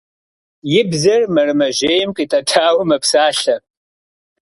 И бзэр мэрэмэжьейм къитӀэтауэ мэпсалъэ.